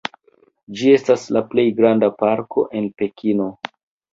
Ĝi estas la plej granda parko en Pekino.